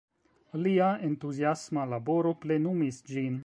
Lia entuziasma laboro plenumis ĝin.